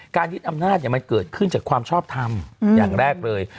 ยึดอำนาจมันเกิดขึ้นจากความชอบทำอย่างแรกเลย